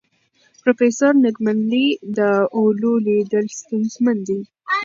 پروفیسور نګ منلې، د اولو لیدل ستونزمن دي.